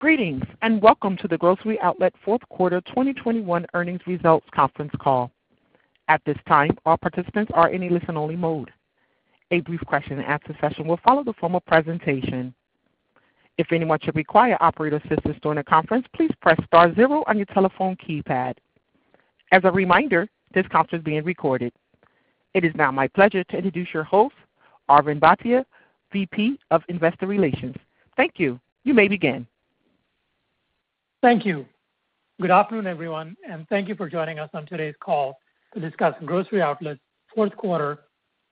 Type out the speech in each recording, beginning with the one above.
Greetings, and welcome to the Grocery Outlet fourth quarter 2021 earnings results conference call. At this time, all participants are in a listen-only mode. A brief question and answer session will follow the formal presentation. If anyone should require operator assistance during the conference, please press star zero on your telephone keypad. As a reminder, this conference is being recorded. It is now my pleasure to introduce your host, Arvind Bhatia, VP of Investor Relations. Thank you. You may begin. Thank you. Good afternoon, everyone, and thank you for joining us on today's call to discuss Grocery Outlet's fourth quarter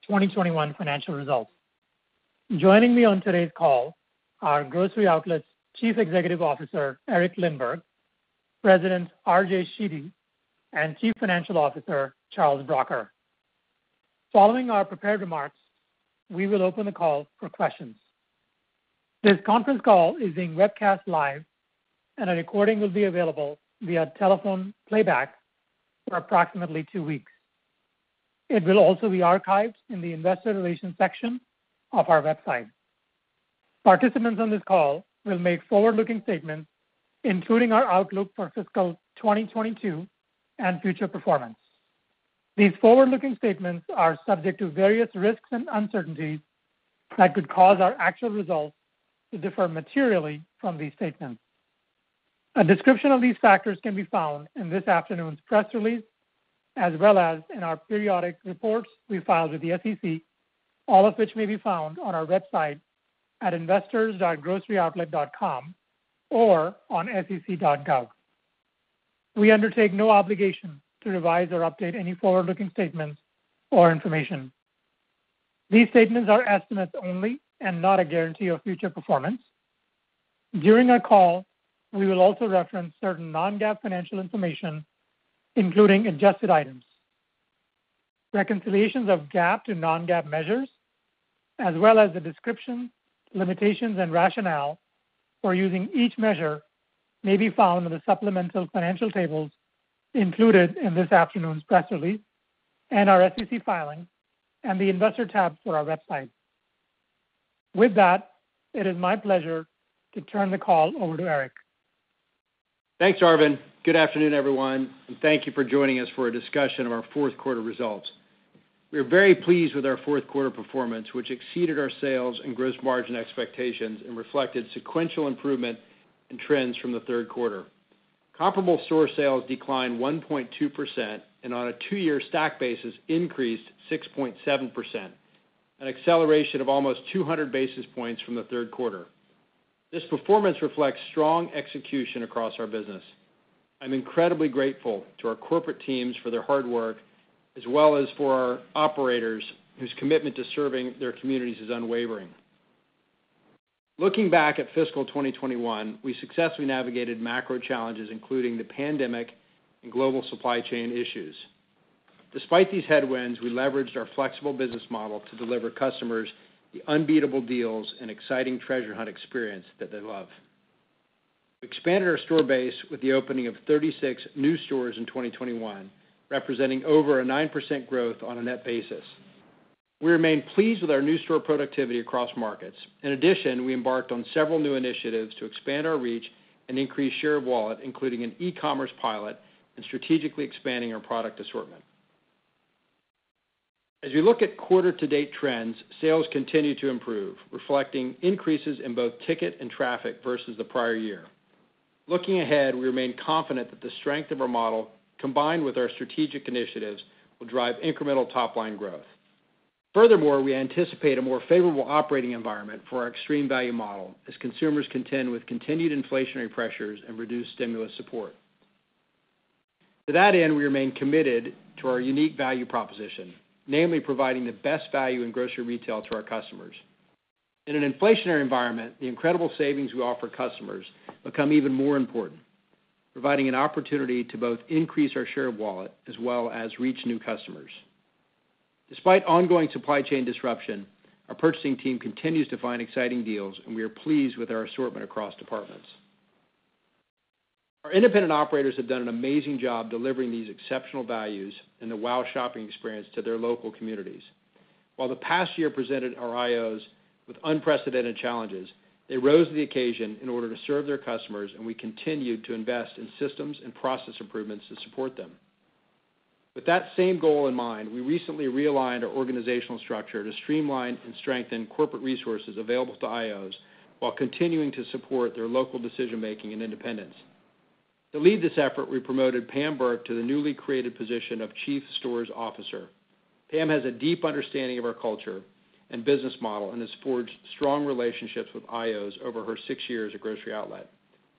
2021 financial results. Joining me on today's call are Grocery Outlet's Chief Executive Officer, Eric Lindberg, President RJ Sheedy, and Chief Financial Officer Charles Bracher. Following our prepared remarks, we will open the call for questions. This conference call is being webcast live, and a recording will be available via telephone playback for approximately 2 weeks. It will also be archived in the investor relations section of our website. Participants on this call will make forward-looking statements, including our outlook for fiscal 2022 and future performance. These forward-looking statements are subject to various risks and uncertainties that could cause our actual results to differ materially from these statements. A description of these factors can be found in this afternoon's press release, as well as in our periodic reports we filed with the SEC, all of which may be found on our website at investors.groceryoutlet.com or on sec.gov. We undertake no obligation to revise or update any forward-looking statements or information. These statements are estimates only and not a guarantee of future performance. During our call, we will also reference certain non-GAAP financial information, including adjusted items. Reconciliations of GAAP to non-GAAP measures as well as the description, limitations, and rationale for using each measure may be found in the supplemental financial tables included in this afternoon's press release and our SEC filing and the investor tab for our website. With that, it is my pleasure to turn the call over to Eric. Thanks, Arvind. Good afternoon, everyone, and thank you for joining us for a discussion of our fourth quarter results. We are very pleased with our fourth quarter performance, which exceeded our sales and gross margin expectations and reflected sequential improvement in trends from the third quarter. Comparable store sales declined 1.2% and on a two-year stack basis increased 6.7%, an acceleration of almost 200 basis points from the third quarter. This performance reflects strong execution across our business. I'm incredibly grateful to our corporate teams for their hard work as well as for our operators, whose commitment to serving their communities is unwavering. Looking back at fiscal 2021, we successfully navigated macro challenges, including the pandemic and global supply chain issues. Despite these headwinds, we leveraged our flexible business model to deliver customers the unbeatable deals and exciting treasure hunt experience that they love. We expanded our store base with the opening of 36 new stores in 2021, representing over a 9% growth on a net basis. We remain pleased with our new store productivity across markets. In addition, we embarked on several new initiatives to expand our reach and increase share of wallet, including an e-commerce pilot and strategically expanding our product assortment. As we look at quarter to date trends, sales continue to improve, reflecting increases in both ticket and traffic versus the prior year. Looking ahead, we remain confident that the strength of our model, combined with our strategic initiatives, will drive incremental top-line growth. Furthermore, we anticipate a more favorable operating environment for our extreme value model as consumers contend with continued inflationary pressures and reduced stimulus support. To that end, we remain committed to our unique value proposition, namely providing the best value in grocery retail to our customers. In an inflationary environment, the incredible savings we offer customers become even more important, providing an opportunity to both increase our share of wallet as well as reach new customers. Despite ongoing supply chain disruption, our purchasing team continues to find exciting deals, and we are pleased with our assortment across departments. Our independent operators have done an amazing job delivering these exceptional values and the wow shopping experience to their local communities. While the past year presented our IOs with unprecedented challenges, they rose to the occasion in order to serve their customers, and we continued to invest in systems and process improvements to support them. With that same goal in mind, we recently realigned our organizational structure to streamline and strengthen corporate resources available to IOs while continuing to support their local decision-making and independence. To lead this effort, we promoted Pamela Burke to the newly created position of Chief Stores Officer. Pam has a deep understanding of our culture and business model and has forged strong relationships with IOs over her six years at Grocery Outlet,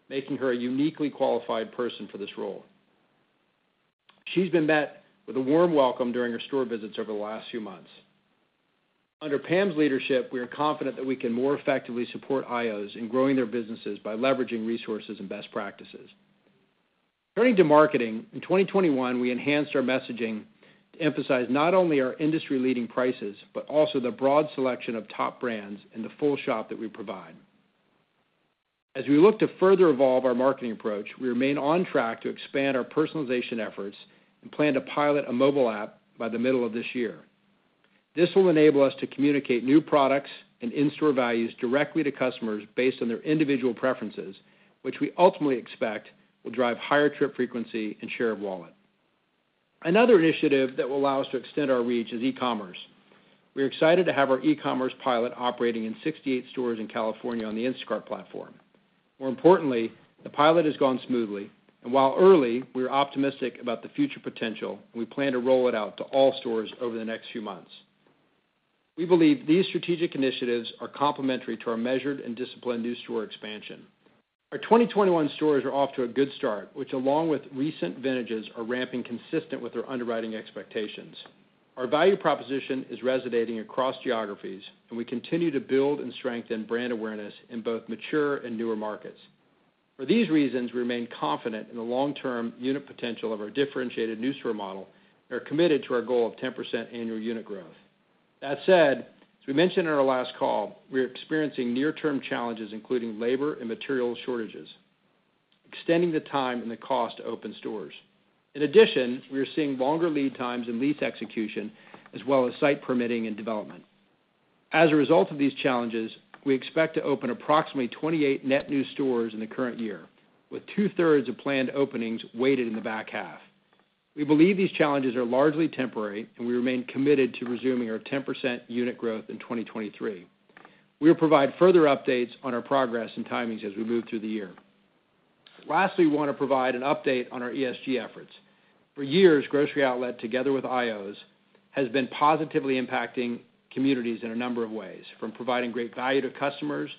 making her a uniquely qualified person for this role. She's been met with a warm welcome during her store visits over the last few months. Under Pam's leadership, we are confident that we can more effectively support IOs in growing their businesses by leveraging resources and best practices. Turning to marketing, in 2021, we enhanced our messaging to emphasize not only our industry-leading prices, but also the broad selection of top brands and the full shop that we provide. As we look to further evolve our marketing approach, we remain on track to expand our personalization efforts and plan to pilot a mobile app by the middle of this year. This will enable us to communicate new products and in-store values directly to customers based on their individual preferences, which we ultimately expect will drive higher trip frequency and share of wallet. Another initiative that will allow us to extend our reach is e-commerce. We're excited to have our e-commerce pilot operating in 68 stores in California on the Instacart platform. More importantly, the pilot has gone smoothly, and while early, we're optimistic about the future potential, and we plan to roll it out to all stores over the next few months. We believe these strategic initiatives are complementary to our measured and disciplined new store expansion. Our 2021 stores are off to a good start, which along with recent vintages, are ramping consistent with our underwriting expectations. Our value proposition is resonating across geographies, and we continue to build and strengthen brand awareness in both mature and newer markets. For these reasons, we remain confident in the long-term unit potential of our differentiated new store model and are committed to our goal of 10% annual unit growth. That said, as we mentioned in our last call, we're experiencing near-term challenges, including labor and material shortages, extending the time and the cost to open stores. In addition, we are seeing longer lead times in lease execution, as well as site permitting and development. As a result of these challenges, we expect to open approximately 28 net new stores in the current year, with two-thirds of planned openings weighted in the back half. We believe these challenges are largely temporary, and we remain committed to resuming our 10% unit growth in 2023. We'll provide further updates on our progress and timings as we move through the year. Lastly, we want to provide an update on our ESG efforts. For years, Grocery Outlet, together with IO's, has been positively impacting communities in a number of ways, from providing great value to customers,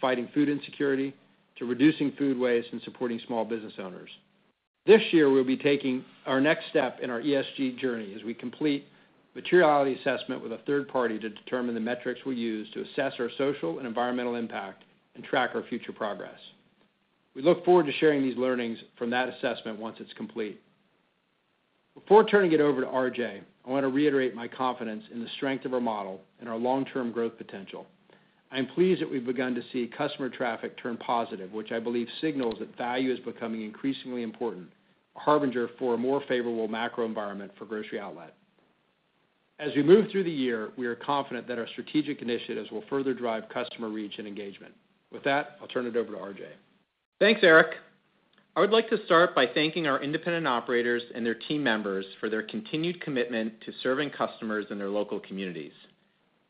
fighting food insecurity, to reducing food waste and supporting small business owners. This year, we'll be taking our next step in our ESG journey as we complete materiality assessment with a third party to determine the metrics we'll use to assess our social and environmental impact and track our future progress. We look forward to sharing these learnings from that assessment once it's complete. Before turning it over to RJ, I want to reiterate my confidence in the strength of our model and our long-term growth potential. I am pleased that we've begun to see customer traffic turn positive, which I believe signals that value is becoming increasingly important, a harbinger for a more favorable macro environment for Grocery Outlet. As we move through the year, we are confident that our strategic initiatives will further drive customer reach and engagement. With that, I'll turn it over to RJ. Thanks, Eric. I would like to start by thanking our independent operators and their team members for their continued commitment to serving customers in their local communities.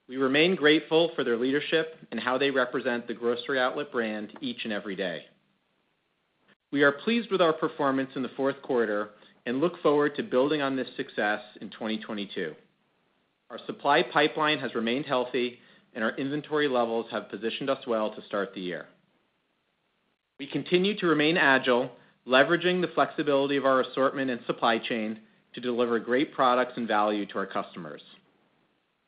We remain grateful for their leadership and how they represent the Grocery Outlet brand each and every day. We are pleased with our performance in the fourth quarter and look forward to building on this success in 2022. Our supply pipeline has remained healthy and our inventory levels have positioned us well to start the year. We continue to remain agile, leveraging the flexibility of our assortment and supply chain to deliver great products and value to our customers.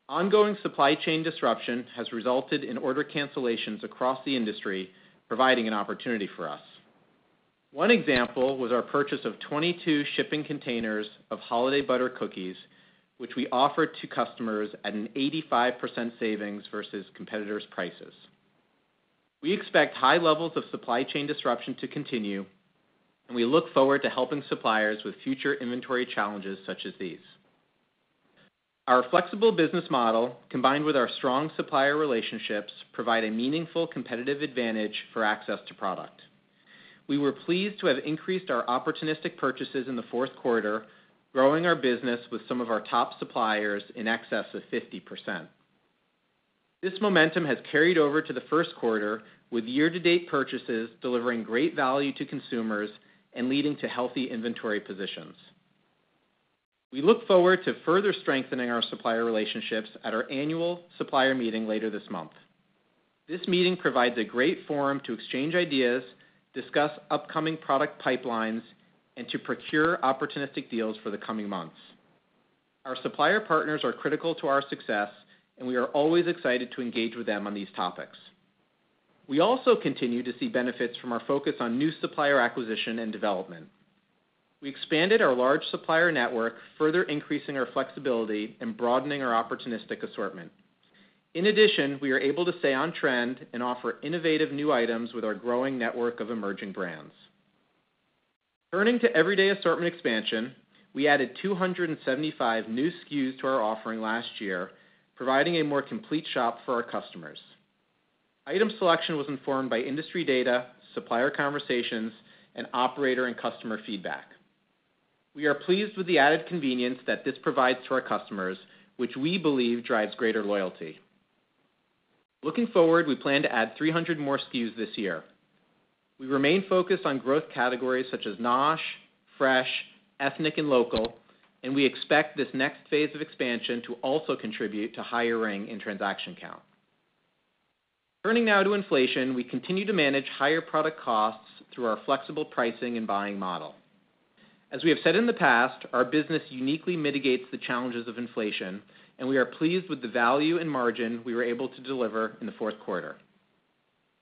Ongoing supply chain disruption has resulted in order cancellations across the industry, providing an opportunity for us. One example was our purchase of 22 shipping containers of holiday butter cookies, which we offered to customers at an 85% savings versus competitors' prices. We expect high levels of supply chain disruption to continue, and we look forward to helping suppliers with future inventory challenges such as these. Our flexible business model, combined with our strong supplier relationships, provide a meaningful competitive advantage for access to product. We were pleased to have increased our opportunistic purchases in the fourth quarter, growing our business with some of our top suppliers in excess of 50%. This momentum has carried over to the first quarter, with year-to-date purchases delivering great value to consumers and leading to healthy inventory positions. We look forward to further strengthening our supplier relationships at our annual supplier meeting later this month. This meeting provides a great forum to exchange ideas, discuss upcoming product pipelines, and to procure opportunistic deals for the coming months. Our supplier partners are critical to our success, and we are always excited to engage with them on these topics. We also continue to see benefits from our focus on new supplier acquisition and development. We expanded our large supplier network, further increasing our flexibility and broadening our opportunistic assortment. In addition, we are able to stay on trend and offer innovative new items with our growing network of emerging brands. Turning to everyday assortment expansion, we added 275 new SKUs to our offering last year, providing a more complete shop for our customers. Item selection was informed by industry data, supplier conversations, and operator and customer feedback. We are pleased with the added convenience that this provides to our customers, which we believe drives greater loyalty. Looking forward, we plan to add 300 more SKUs this year. We remain focused on growth categories such as NOSH, fresh, ethnic, and local, and we expect this next phase of expansion to also contribute to higher ring and transaction count. Turning now to inflation, we continue to manage higher product costs through our flexible pricing and buying model. As we have said in the past, our business uniquely mitigates the challenges of inflation, and we are pleased with the value and margin we were able to deliver in the fourth quarter.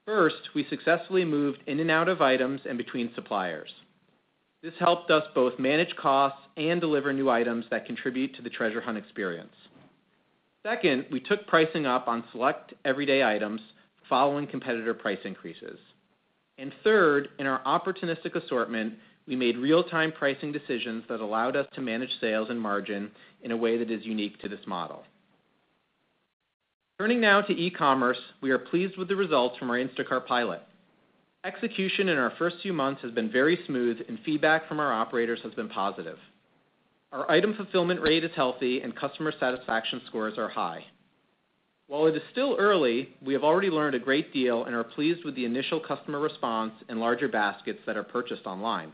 First, we successfully moved in and out of items and between suppliers. This helped us both manage costs and deliver new items that contribute to the Treasure Hunt experience. Second, we took pricing up on select everyday items following competitor price increases. Third, in our opportunistic assortment, we made real-time pricing decisions that allowed us to manage sales and margin in a way that is unique to this model. Turning now to e-commerce, we are pleased with the results from our Instacart pilot. Execution in our first few months has been very smooth and feedback from our operators has been positive. Our item fulfillment rate is healthy and customer satisfaction scores are high. While it is still early, we have already learned a great deal and are pleased with the initial customer response and larger baskets that are purchased online.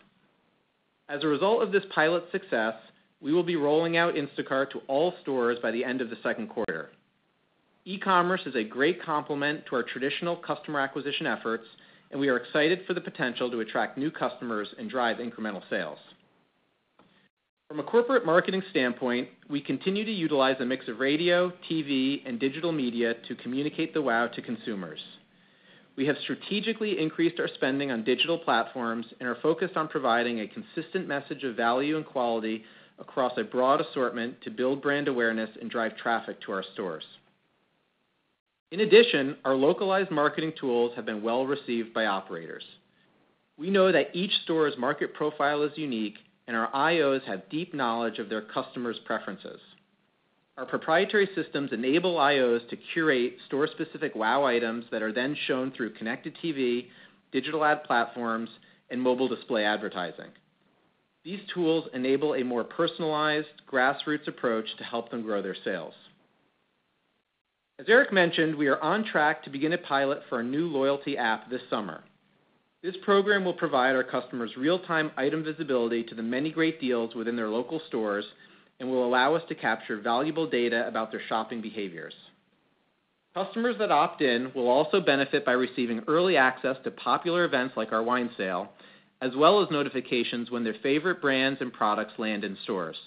As a result of this pilot's success, we will be rolling out Instacart to all stores by the end of the second quarter. E-commerce is a great complement to our traditional customer acquisition efforts, and we are excited for the potential to attract new customers and drive incremental sales. From a corporate marketing standpoint, we continue to utilize a mix of radio, TV, and digital media to communicate the wow to consumers. We have strategically increased our spending on digital platforms and are focused on providing a consistent message of value and quality across a broad assortment to build brand awareness and drive traffic to our stores. In addition, our localized marketing tools have been well received by operators. We know that each store's market profile is unique and our IOs have deep knowledge of their customers' preferences. Our proprietary systems enable IOs to curate store-specific WOW items that are then shown through connected TV, digital ad platforms, and mobile display advertising. These tools enable a more personalized grassroots approach to help them grow their sales. As Eric mentioned, we are on track to begin a pilot for a new loyalty app this summer. This program will provide our customers real-time item visibility to the many great deals within their local stores and will allow us to capture valuable data about their shopping behaviors. Customers that opt in will also benefit by receiving early access to popular events like our wine sale, as well as notifications when their favorite brands and products land in stores.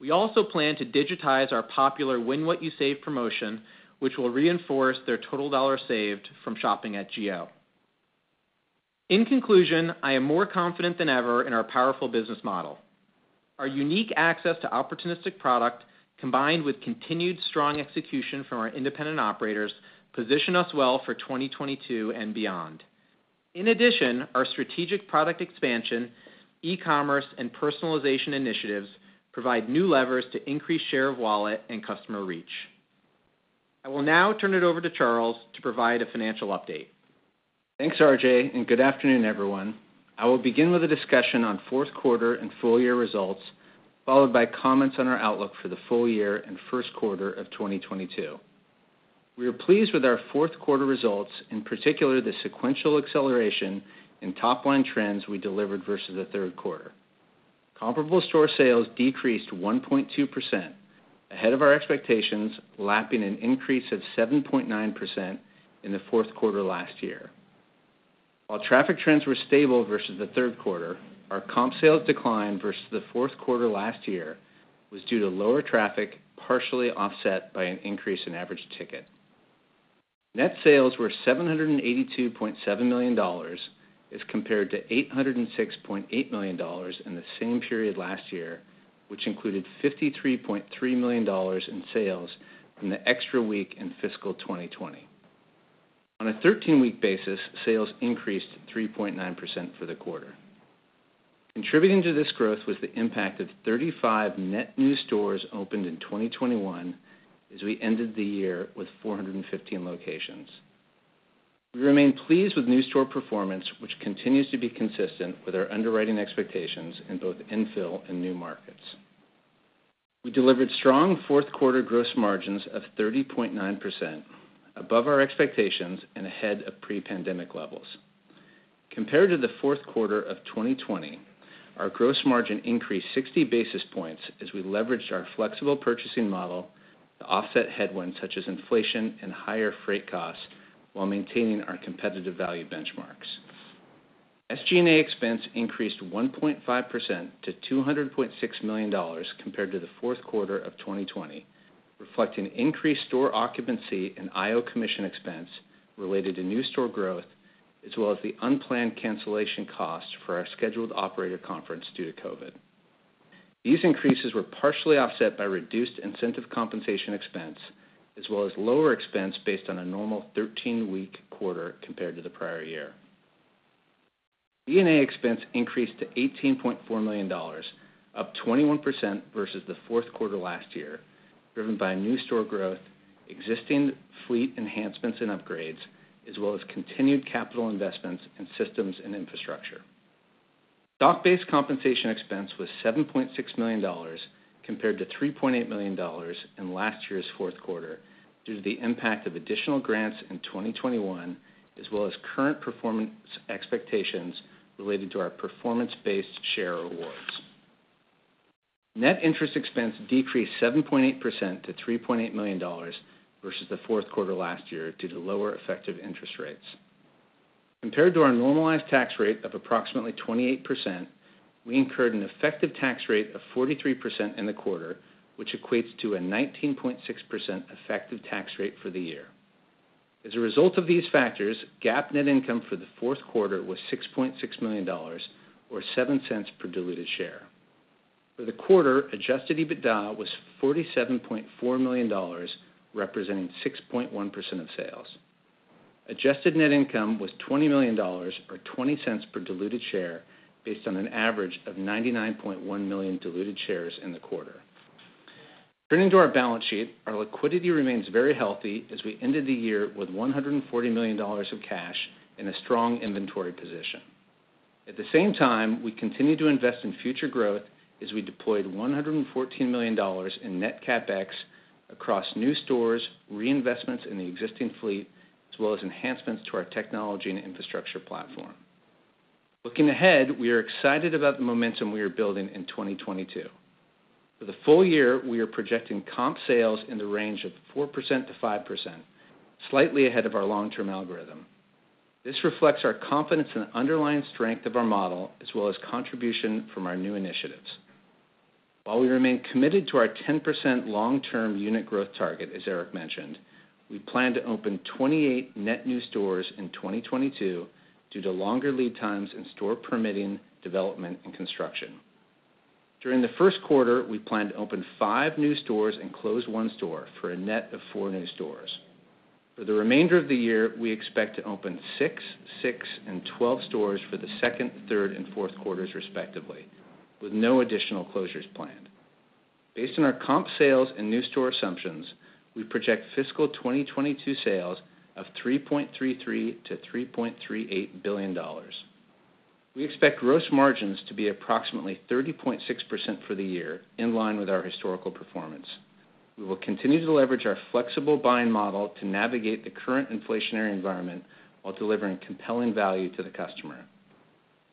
We also plan to digitize our popular Win What You Save promotion, which will reinforce their total dollar saved from shopping at GL. In conclusion, I am more confident than ever in our powerful business model. Our unique access to opportunistic product, combined with continued strong execution from our independent operators, position us well for 2022 and beyond. In addition, our strategic product expansion, e-commerce, and personalization initiatives provide new levers to increase share of wallet and customer reach. I will now turn it over to Charles to provide a financial update. Thanks, RJ, and good afternoon, everyone. I will begin with a discussion on fourth quarter and full year results, followed by comments on our outlook for the full year and first quarter of 2022. We are pleased with our fourth quarter results, in particular the sequential acceleration in top line trends we delivered versus the third quarter. Comparable store sales decreased 1.2%, ahead of our expectations, lapping an increase of 7.9% in the fourth quarter last year. While traffic trends were stable versus the third quarter, our comp sales decline versus the fourth quarter last year was due to lower traffic, partially offset by an increase in average ticket. Net sales were $782.7 million as compared to $806.8 million in the same period last year, which included $53.3 million in sales from the extra week in fiscal 2020. On a 13-week basis, sales increased 3.9% for the quarter. Contributing to this growth was the impact of 35 net new stores opened in 2021 as we ended the year with 415 locations. We remain pleased with new store performance, which continues to be consistent with our underwriting expectations in both infill and new markets. We delivered strong fourth quarter gross margins of 30.9%, above our expectations and ahead of pre-pandemic levels. Compared to the fourth quarter of 2020, our gross margin increased 60 basis points as we leveraged our flexible purchasing model to offset headwinds such as inflation and higher freight costs while maintaining our competitive value benchmarks. SG&A expense increased 1.5% to $200.6 million compared to the fourth quarter of 2020, reflecting increased store occupancy and IO commission expense related to new store growth, as well as the unplanned cancellation costs for our scheduled operator conference due to COVID. These increases were partially offset by reduced incentive compensation expense as well as lower expense based on a normal 13-week quarter compared to the prior year. D&A expense increased to $18.4 million, up 21% versus the fourth quarter last year, driven by new store growth, existing fleet enhancements and upgrades, as well as continued capital investments in systems and infrastructure. Stock-based compensation expense was $7.6 million compared to $3.8 million in last year's fourth quarter due to the impact of additional grants in 2021 as well as current performance expectations related to our performance-based share awards. Net interest expense decreased 7.8% to $3.8 million versus the fourth quarter last year due to lower effective interest rates. Compared to our normalized tax rate of approximately 28%, we incurred an effective tax rate of 43% in the quarter, which equates to a 19.6% effective tax rate for the year. As a result of these factors, GAAP net income for the fourth quarter was $6.6 million or $0.07 per diluted share. For the quarter, adjusted EBITDA was $47.4 million, representing 6.1% of sales. Adjusted net income was $20 million or $0.20 per diluted share based on an average of 99.1 million diluted shares in the quarter. Turning to our balance sheet, our liquidity remains very healthy as we ended the year with $140 million of cash and a strong inventory position. At the same time, we continue to invest in future growth as we deployed $114 million in net CapEx across new stores, reinvestments in the existing fleet, as well as enhancements to our technology and infrastructure platform. Looking ahead, we are excited about the momentum we are building in 2022. For the full year, we are projecting comp sales in the range of 4%-5%, slightly ahead of our long-term algorithm. This reflects our confidence in the underlying strength of our model, as well as contribution from our new initiatives. While we remain committed to our 10% long-term unit growth target, as Eric mentioned, we plan to open 28 net new stores in 2022 due to longer lead times in store permitting, development and construction. During the first quarter, we plan to open 5 new stores and close 1 store for a net of 4 new stores. For the remainder of the year, we expect to open 6 and 12 stores for the second, third and fourth quarters, respectively, with no additional closures planned. Based on our comp sales and new store assumptions, we project fiscal 2022 sales of $3.33 billion-$3.38 billion. We expect gross margins to be approximately 30.6% for the year, in line with our historical performance. We will continue to leverage our flexible buying model to navigate the current inflationary environment while delivering compelling value to the customer.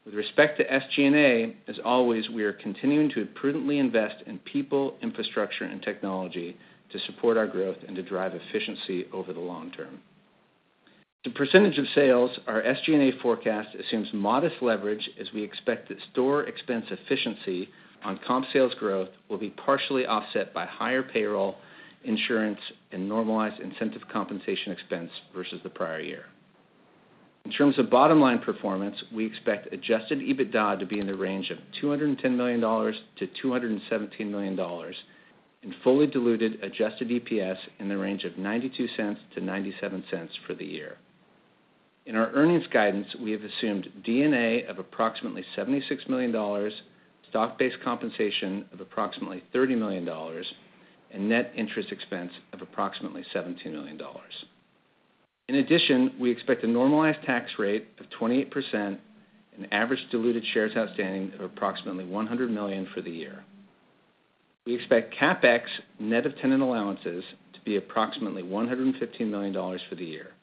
With respect to SG&A, as always, we are continuing to prudently invest in people, infrastructure and technology to support our growth and to drive efficiency over the long term. As a percentage of sales, our SG&A forecast assumes modest leverage as we expect that store expense efficiency on comp sales growth will be partially offset by higher payroll, insurance and normalized incentive compensation expense versus the prior year. In terms of bottom line performance, we expect adjusted EBITDA to be in the range of $210 million-$217 million and fully diluted adjusted EPS in the range of $0.92-$0.97 for the year. In our earnings guidance, we have assumed D&A of approximately $76 million, stock-based compensation of approximately $30 million and net interest expense of approximately $17 million. In addition, we expect a normalized tax rate of 28% and average diluted shares outstanding of approximately 100 million for the year. We expect CapEx net of tenant allowances to be approximately $115 million for the year.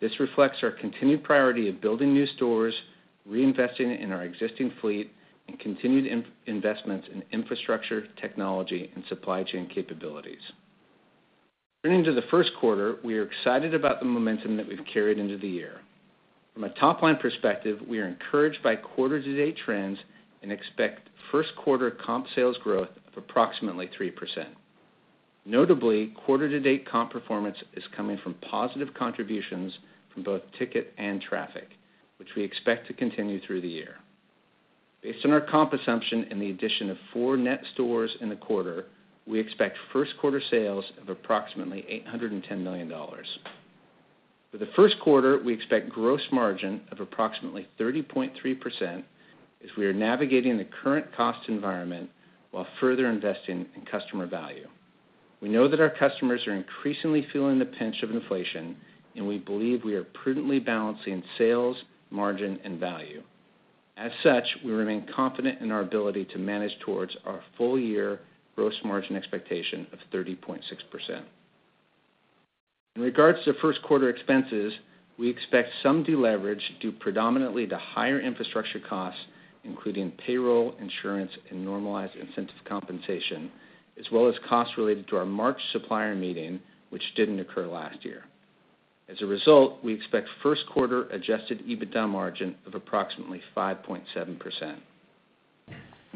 This reflects our continued priority of building new stores, reinvesting in our existing fleet and continued investments in infrastructure, technology and supply chain capabilities. Turning to the first quarter, we are excited about the momentum that we've carried into the year. From a top-line perspective, we are encouraged by quarter to date trends and expect first quarter comp sales growth of approximately 3%. Notably, quarter to date comp performance is coming from positive contributions from both ticket and traffic, which we expect to continue through the year. Based on our comp assumption and the addition of 4 net stores in the quarter, we expect first quarter sales of approximately $810 million. For the first quarter, we expect gross margin of approximately 30.3% as we are navigating the current cost environment while further investing in customer value. We know that our customers are increasingly feeling the pinch of inflation, and we believe we are prudently balancing sales, margin and value. As such, we remain confident in our ability to manage towards our full year gross margin expectation of 30.6%. In regards to first quarter expenses, we expect some deleverage due predominantly to higher infrastructure costs, including payroll, insurance and normalized incentive compensation, as well as costs related to our March supplier meeting, which didn't occur last year. As a result, we expect first quarter adjusted EBITDA margin of approximately 5.7%.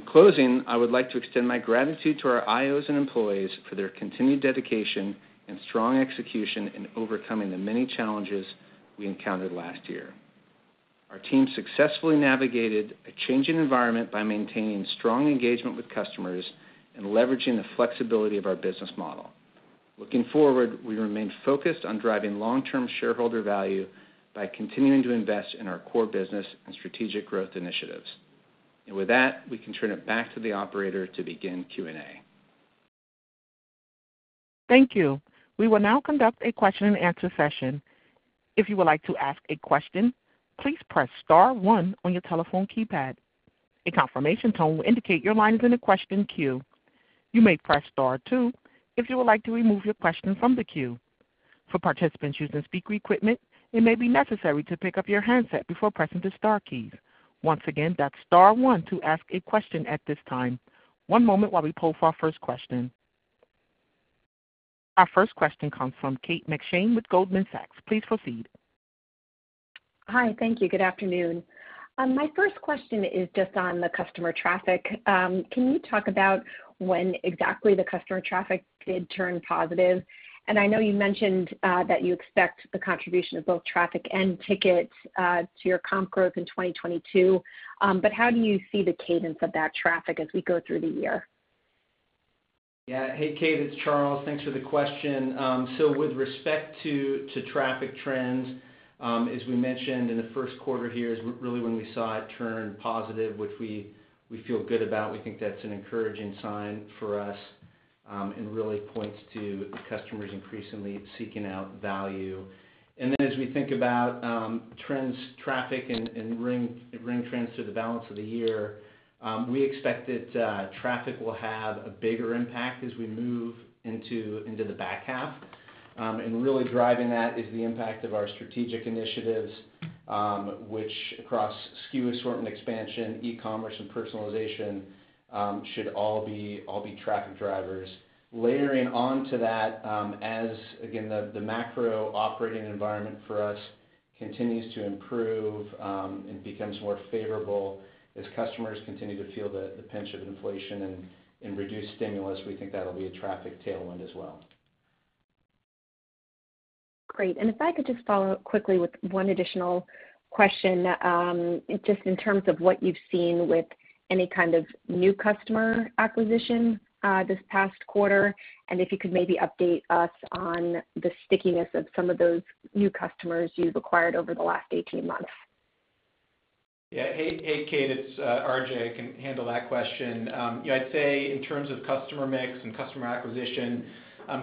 In closing, I would like to extend my gratitude to our IOs and employees for their continued dedication and strong execution in overcoming the many challenges we encountered last year. Our team successfully navigated a changing environment by maintaining strong engagement with customers and leveraging the flexibility of our business model. Looking forward, we remain focused on driving long-term shareholder value by continuing to invest in our core business and strategic growth initiatives. With that, we can turn it back to the operator to begin Q&A. Thank you. We will now conduct a question and answer session. If you would like to ask a question, please press star one on your telephone keypad. A confirmation tone will indicate your line is in the question queue. You may press star two if you would like to remove your question from the queue. For participants using speaker equipment, it may be necessary to pick up your handset before pressing the star keys. Once again, that's star one to ask a question at this time. One moment while we poll for our first question. Our first question comes from Kate McShane with Goldman Sachs. Please proceed. Hi. Thank you. Good afternoon. My first question is just on the customer traffic. Can you talk about when exactly the customer traffic did turn positive? I know you mentioned that you expect the contribution of both traffic and tickets to your comp growth in 2022, but how do you see the cadence of that traffic as we go through the year? Yeah. Hey, Kate, it's Charles. Thanks for the question. So with respect to traffic trends, as we mentioned in the first quarter here is really when we saw it turn positive, which we feel good about. We think that's an encouraging sign for us, and really points to customers increasingly seeking out value. As we think about trends, traffic and ring trends through the balance of the year, we expect that traffic will have a bigger impact as we move into the back half. Really driving that is the impact of our strategic initiatives, which across SKU assortment expansion, e-commerce, and personalization should all be traffic drivers. Layering onto that, as again, the macro operating environment for us continues to improve and becomes more favorable as customers continue to feel the pinch of inflation and reduced stimulus, we think that'll be a traffic tailwind as well. Great. If I could just follow up quickly with one additional question, just in terms of what you've seen with any kind of new customer acquisition, this past quarter, and if you could maybe update us on the stickiness of some of those new customers you've acquired over the last 18 months? Yeah. Hey, Kate, it's RJ. I can handle that question. You know, I'd say in terms of customer mix and customer acquisition,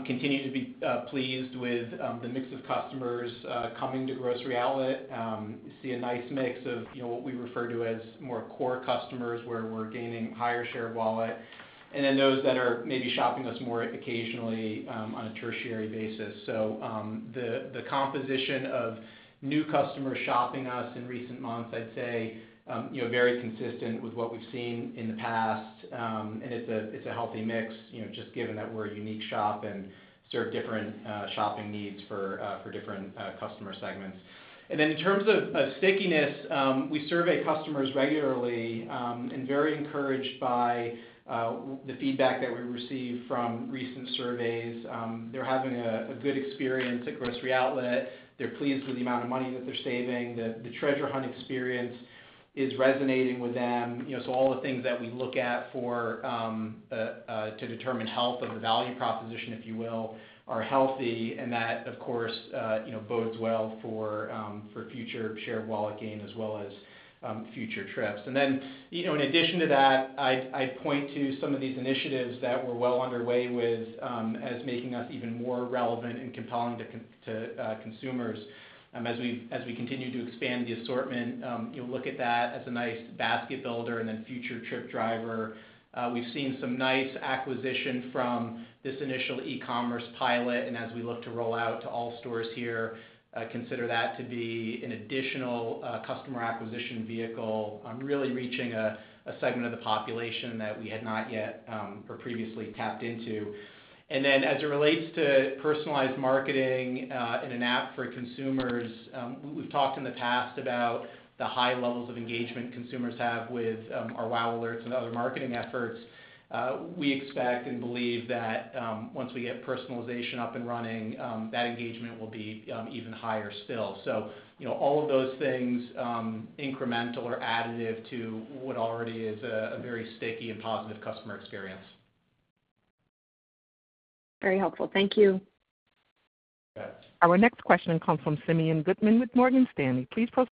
continue to be pleased with the mix of customers coming to Grocery Outlet. You see a nice mix of, you know, what we refer to as more core customers, where we're gaining higher share of wallet, and then those that are maybe shopping us more occasionally on a tertiary basis. The composition of new customers shopping us in recent months, I'd say, you know, very consistent with what we've seen in the past. And it's a healthy mix, you know, just given that we're a unique shop and serve different shopping needs for different customer segments. In terms of stickiness, we survey customers regularly, and very encouraged by the feedback that we receive from recent surveys. They're having a good experience at Grocery Outlet. They're pleased with the amount of money that they're saving. The treasure hunt experience is resonating with them. You know, so all the things that we look at to determine health of the value proposition, if you will, are healthy, and that, of course, you know, bodes well for future share of wallet gain as well as future trips. In addition to that, I'd point to some of these initiatives that we're well underway with as making us even more relevant and compelling to consumers. As we continue to expand the assortment, you'll look at that as a nice basket builder and then future trip driver. We've seen some nice acquisition from this initial e-commerce pilot, and as we look to roll out to all stores here, consider that to be an additional customer acquisition vehicle, really reaching a segment of the population that we had not yet or previously tapped into. As it relates to personalized marketing and an app for consumers, we've talked in the past about the high levels of engagement consumers have with our WOW! Alerts and other marketing efforts. We expect and believe that once we get personalization up and running, that engagement will be even higher still. You know, all of those things, incremental or additive to what already is a very sticky and positive customer experience. Very helpful. Thank you. You bet. Our next question comes from Simeon Gutman with Morgan Stanley. Please post-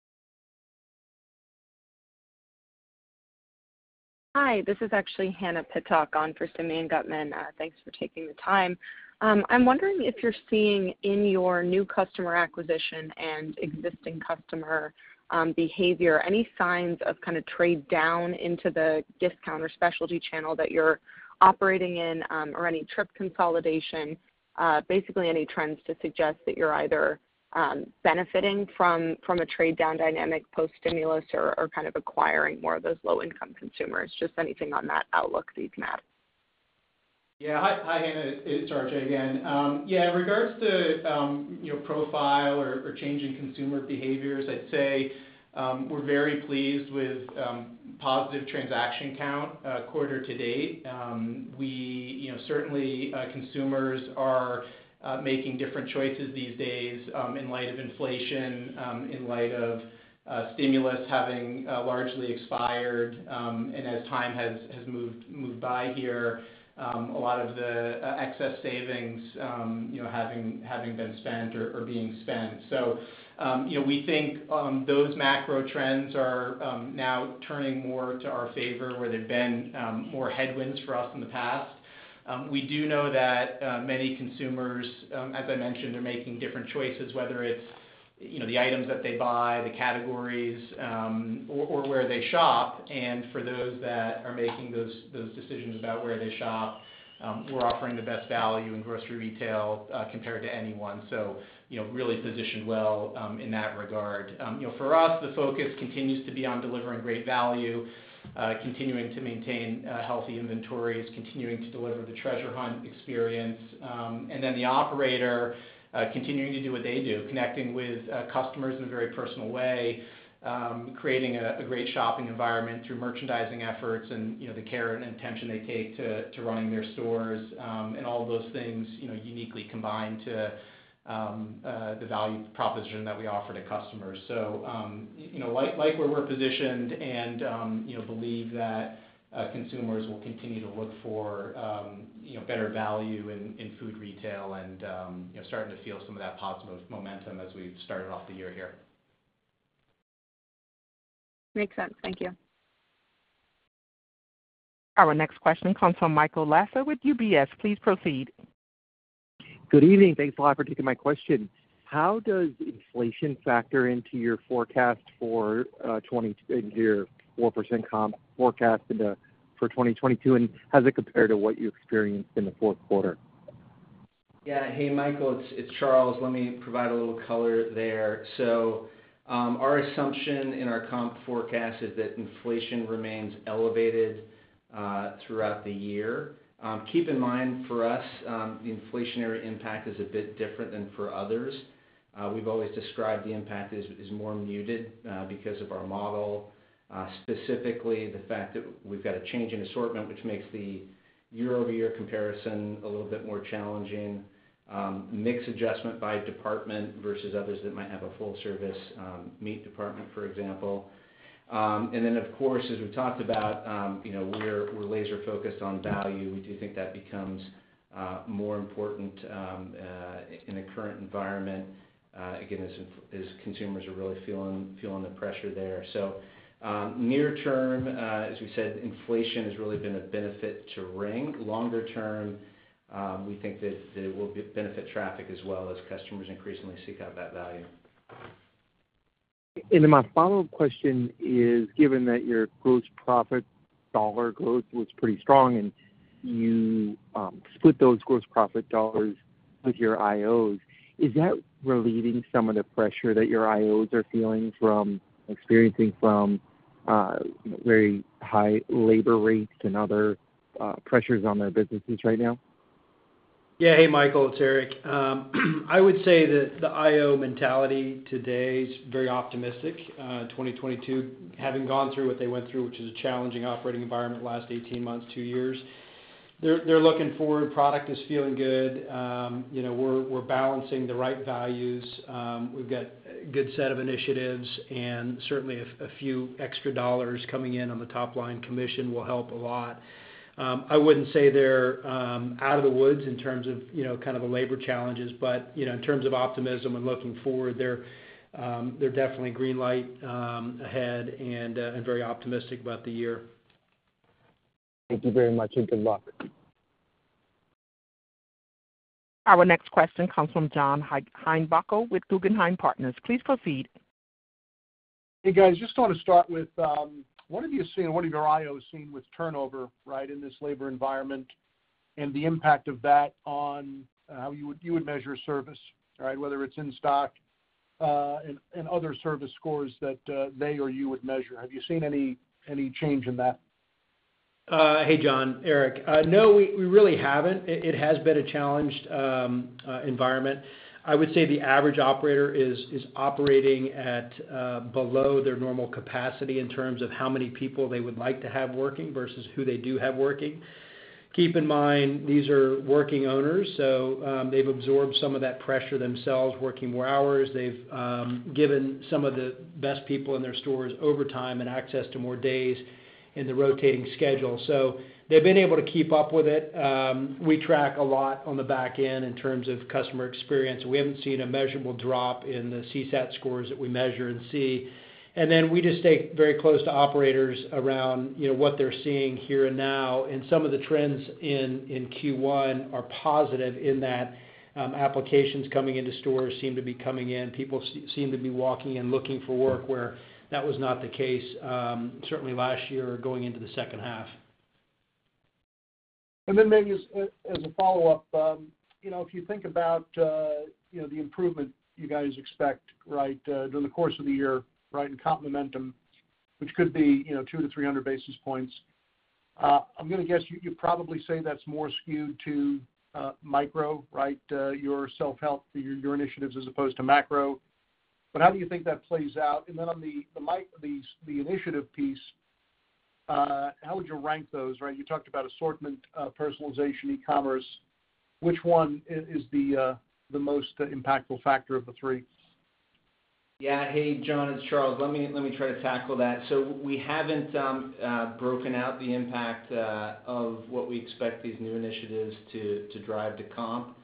Hi, this is actually Hannah Pittock on for Simeon Gutman. Thanks for taking the time. I'm wondering if you're seeing in your new customer acquisition and existing customer behavior, any signs of kind of trade down into the discounter specialty channel that you're operating in, or any trip consolidation. Basically any trends to suggest that you're either benefiting from a trade down dynamic post-stimulus or kind of acquiring more of those low-income consumers. Just anything on that outlook that you can add. Yeah. Hi, hi Hannah. It's RJ again. Yeah, in regards to, you know, profile or change in consumer behaviors, I'd say, we're very pleased with positive transaction count quarter to date. You know, certainly, consumers are making different choices these days, in light of inflation, in light of stimulus having largely expired, and as time has moved by here, a lot of the excess savings, you know, having been spent or being spent. You know, we think those macro trends are now turning more to our favor, where they've been more headwinds for us in the past. We do know that many consumers, as I mentioned, are making different choices, whether it's, you know, the items that they buy, the categories, or where they shop. For those that are making those decisions about where they shop, we're offering the best value in grocery retail, compared to anyone, so, you know, really positioned well in that regard. You know, for us, the focus continues to be on delivering great value, continuing to maintain healthy inventories, continuing to deliver the treasure hunt experience. The operator continuing to do what they do, connecting with customers in a very personal way, creating a great shopping environment through merchandising efforts and, you know, the care and attention they take to running their stores. All those things, you know, uniquely combine to the value proposition that we offer to customers. You know, like where we're positioned and, you know, believe that consumers will continue to look for, you know, better value in food retail and, you know, starting to feel some of that positive momentum as we've started off the year here. Makes sense. Thank you. Our next question comes from Michael Lasser with UBS. Please proceed. Good evening. Thanks a lot for taking my question. How does inflation factor into your 4% comp forecast for 2022, and how does it compare to what you experienced in the fourth quarter? Yeah. Hey, Michael, it's Charles. Let me provide a little color there. Our assumption in our comp forecast is that inflation remains elevated throughout the year. Keep in mind, for us, the inflationary impact is a bit different than for others. We've always described the impact as more muted because of our model, specifically the fact that we've got a change in assortment, which makes the year-over-year comparison a little bit more challenging. Mix adjustment by department versus others that might have a full service meat department, for example. Then of course, as we've talked about, you know, we're laser focused on value. We do think that becomes more important in the current environment, again, as consumers are really feeling the pressure there. Near term, as we said, inflation has really been a benefit to ring. Longer term, we think that it will benefit traffic as well as customers increasingly seek out that value. My follow-up question is, given that your gross profit dollar growth was pretty strong and you split those gross profit dollars with your IOs, is that relieving some of the pressure that your IOs are experiencing from very high labor rates and other pressures on their businesses right now? Yeah. Hey, Michael, it's Eric. I would say that the IO mentality today is very optimistic. 2022, having gone through what they went through, which is a challenging operating environment the last 18 months, two years, they're looking forward. Product is feeling good. You know, we're balancing the right values. We've got a good set of initiatives and certainly a few extra dollars coming in on the top line commission will help a lot. I wouldn't say they're out of the woods in terms of, you know, kind of the labor challenges, but, you know, in terms of optimism and looking forward, they're definitely green light ahead and very optimistic about the year. Thank you very much, and good luck. Our next question comes from John Heinbockel with Guggenheim Securities. Please proceed. Hey, guys. Just want to start with what have you seen and what have your IOs seen with turnover, right, in this labor environment and the impact of that on how you would measure service, right? Whether it's in stock and other service scores that they or you would measure. Have you seen any change in that? Hey, John. Eric. No, we really haven't. It has been a challenging environment. I would say the average operator is operating at below their normal capacity in terms of how many people they would like to have working versus who they do have working. Keep in mind, these are working owners, so they've absorbed some of that pressure themselves, working more hours. They've given some of the best people in their stores overtime and access to more days in the rotating schedule. They've been able to keep up with it. We track a lot on the back end in terms of customer experience. We haven't seen a measurable drop in the CSAT scores that we measure in C. We just stay very close to operators around, you know, what they're seeing here and now. Some of the trends in Q1 are positive in that applications coming into stores seem to be coming in. People seem to be walking in looking for work, where that was not the case, certainly last year or going into the second half. Maybe as a follow-up, you know, if you think about, you know, the improvement you guys expect, right, during the course of the year, right, in comp momentum, which could be, you know, 200-300 basis points, I'm gonna guess you'd probably say that's more skewed to, micro, right, your self-help, your initiatives, as opposed to macro. How do you think that plays out? On the initiative piece, how would you rank those, right? You talked about assortment, personalization, e-commerce. Which one is the most impactful factor of the three? Yeah. Hey, John, it's Charles. Let me try to tackle that. We haven't broken out the impact of what we expect these new initiatives to drive to comp.